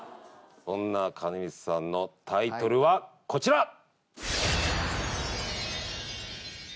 そんな兼光さんのタイトルはこちらえっ？